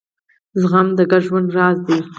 زغم د ګډ ژوند راز دی.